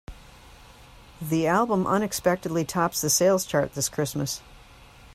The album unexpectedly tops the sales chart this Christmas.